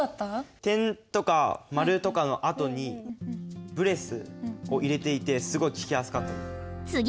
点とか丸とかのあとにブレスを入れていてすごい聞きやすかったです。